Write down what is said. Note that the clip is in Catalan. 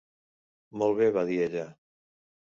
Molt bé", va dir ella.